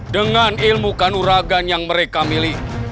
dengan ilmu kanuragan yang mereka miliki